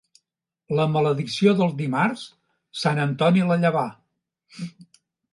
La maledicció del dimarts, sant Antoni la llevà.